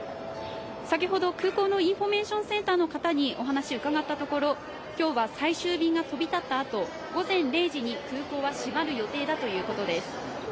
先ほど空港のインフォメーションセンターの方に、お話、伺ったところ今日は最終便が飛び立ったあと午前０時に空港は閉まる予定だということです。